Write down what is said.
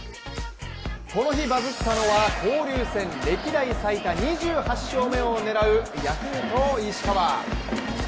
この日、バズったのは交流戦歴代最多２８勝目を狙うヤクルト・石川。